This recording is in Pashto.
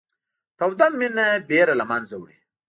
توده مینه بېره له منځه وړي